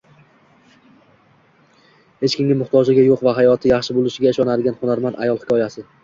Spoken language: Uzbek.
Hech kimga muhtojligi yo‘q va hayoti yaxshi bo‘lishiga ishonadigan hunarmand ayol hikoyasi